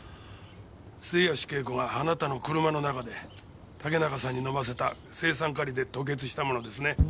末吉恵子があなたの車の中で竹中さんに飲ませた青酸カリで吐血したものですね。